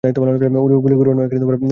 গুলি কোরো না।